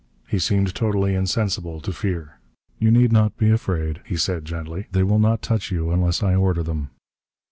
He seemed totally insensible to fear. "You need not be afraid," he said gently. "They will not touch you unless I order them."